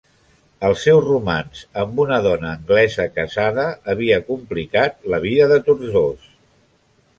El seu romanç amb una dona anglesa casada havia complicat la vida de tots dos.